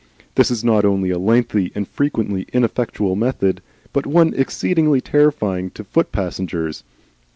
This is not only a lengthy and frequently ineffectual method, but one exceedingly terrifying to foot passengers.